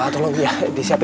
tolong dia disiapin